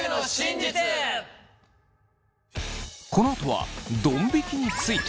このあとはどん引きについて。